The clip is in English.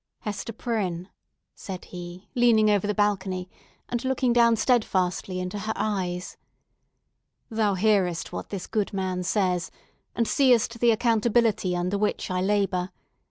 "Hester Prynne," said he, leaning over the balcony and looking down steadfastly into her eyes, "thou hearest what this good man says, and seest the accountability under which I labour.